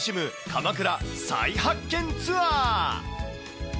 鎌倉再発見ツアー。